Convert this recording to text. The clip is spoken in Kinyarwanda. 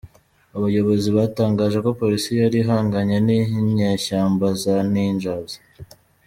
Abayobozi batangaje ko polisi yari ihanganye n’inyeshyamba za Ninjas.